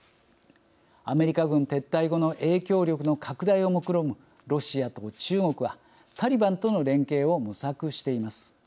アメリカ軍撤退後の影響力の拡大をもくろむロシアと中国はタリバンとの連携を模索しています。